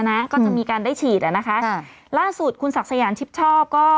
ส่งสาธารณะก็จะมีการได้ฉีดอ่ะนะคะค่ะล่าสุดคุณศักดิ์สะยานชิบชอบก็